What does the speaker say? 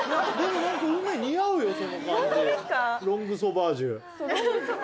ロングソバージュ。